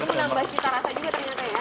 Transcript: ini menambah cita rasa juga ternyata ya